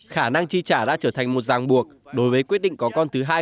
khả năng chi trả đã trở thành một ràng buộc đối với quyết định có con thứ hai